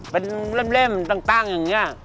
เป็นเล่มตั้งอย่างนี้